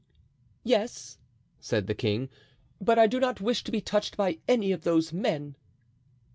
"Yes," said the king, "but I do not wish to be touched by any of those men."